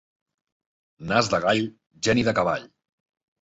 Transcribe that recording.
Nas de gall, geni de cavall.